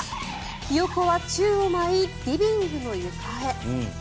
ヒヨコは宙を舞いリビングの床へ。